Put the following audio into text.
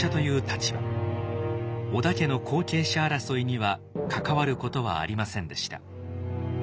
織田家の後継者争いには関わることはありませんでした。